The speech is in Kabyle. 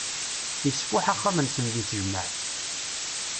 Isfuḥ axxam-nsen di tejmaεt.